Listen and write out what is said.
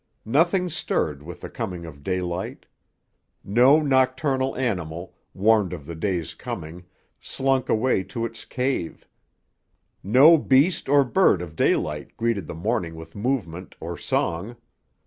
Nothing stirred with the coming of daylight. No nocturnal animal, warned of the day's coming, slunk away to its cave; no beast or bird of daylight greeted the morning with movement or song.